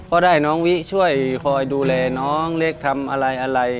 ก็ได้น้องวิช่วยคอยดูแลน้องเล็กทำอะไรอะไร